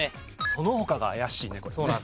その他が怪しいねこれね。